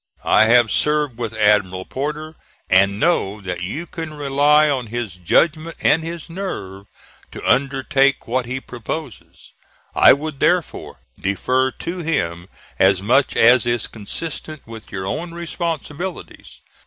I have served with Admiral Porter, and know that you can rely on his judgment and his nerve to undertake what he proposes. I would, therefore, defer to him as much as is consistent with your own responsibilities.